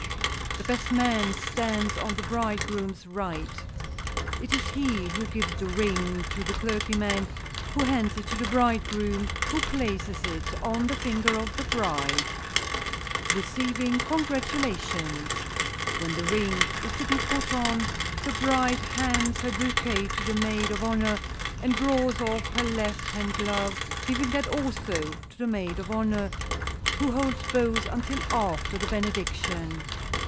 The best man stands on the bridegroom's right. It is he who gives the ring to the clergyman, who hands it to the bridegroom, who places it on the finger of the bride. [Sidenote: RECEIVING CONGRATULATIONS] When the ring is to be put on, the bride hands her bouquet to the maid of honor, and draws off her left hand glove, giving that also to the maid of honor, who holds both until after the benediction.